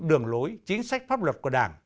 đường lối chính sách pháp luật của đảng